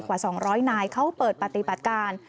กว่า๒๐๐นายเขาเปิดปฏิบัติการ